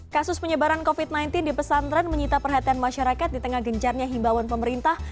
kasus penyebaran covid sembilan belas di pesantren menyita perhatian masyarakat di tengah gencarnya himbawan pemerintah